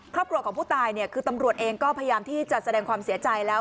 ครอบครัวของผู้ตายเนี่ยคือตำรวจเองก็พยายามที่จะแสดงความเสียใจแล้ว